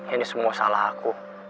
ini semua salah aku